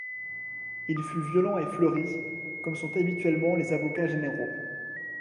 Il fut violent et fleuri, comme sont habituellement les avocats généraux.